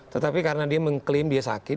tetapi karena dia mengklaim dia sakit